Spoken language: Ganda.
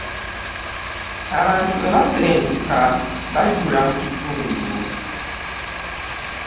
Abantu bwe basenguka bajjula mu kitundu.